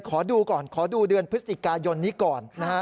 ขอดูก่อนขอดูเดือนพฤศจิกายนนี้ก่อนนะฮะ